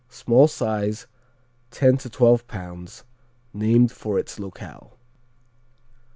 Small size, ten to twelve pounds; named for its locale.